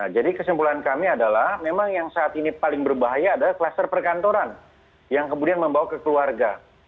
jadi kesimpulan kami adalah memang yang saat ini paling berbahaya adalah klaster perkantoran yang kemudian membawa ke keluarga